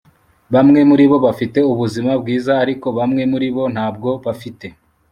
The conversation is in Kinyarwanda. Bamwe muribo bafite ubuzima bwiza ariko bamwe muribo ntabwo bafite